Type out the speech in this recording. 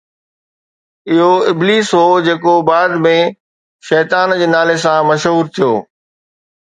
اهو ابليس هو جيڪو بعد ۾ شيطان جي نالي سان مشهور ٿيو